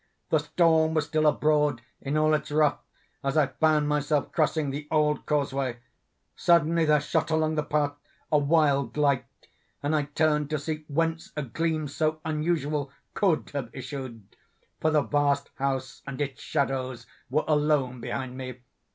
The storm was still abroad in all its wrath as I found myself crossing the old causeway. Suddenly there shot along the path a wild light, and I turned to see whence a gleam so unusual could have issued; for the vast house and its shadows were alone behind me.